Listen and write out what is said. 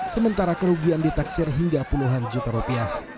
sementara kerugian ditaksir hingga puluhan juta rupiah